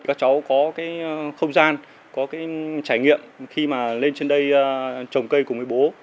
các cháu có cái không gian có cái trải nghiệm khi mà lên trên đây trồng cây cùng với bố